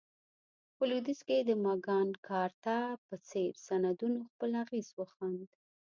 په لوېدیځ کې د مګناکارتا په څېر سندونو خپل اغېز وښند.